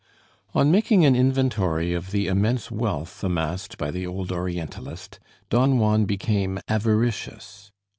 On making an inventory of the immense wealth amassed by the old Orientalist, Don Juan became avaricious.